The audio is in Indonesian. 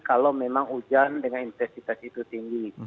kalau memang hujan dengan intensitas itu tinggi